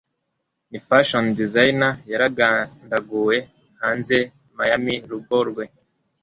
Ni Fashion Designer yaragandaguwe Hanze Miami rugo rwe